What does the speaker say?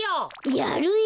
やるよ。